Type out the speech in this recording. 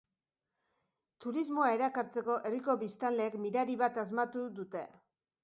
Turismoa erakartzeko herriko biztanleek mirari bat asmatu dute.